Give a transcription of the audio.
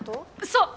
そう！